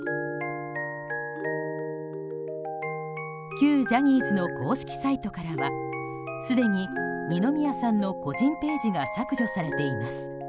旧ジャニーズの公式サイトからはすでに二宮さんの個人ページが削除されています。